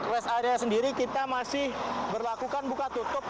rest area sendiri kita masih berlakukan buka tutup